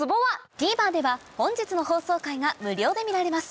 ＴＶｅｒでは本日の放送回が無料で見られます